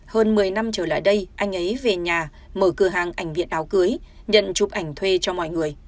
hơn một mươi năm trở lại đây anh ấy về nhà mở cửa hàng ảnh viện áo cưới nhận chụp ảnh thuê cho mọi người